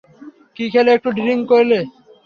কী খেলে একটু ড্রিংক করলে!